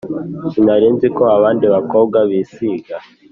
sinari nzi ko abandi bakobwa bisiga